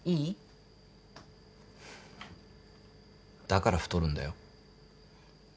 だから太るんだよ。